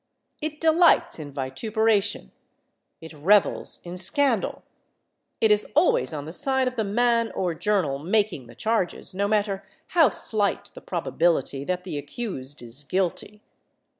It delights in vituperation. It revels in scandal. It is always on the side of the man or journal making the charges, no matter how slight the probability that the accused is guilty.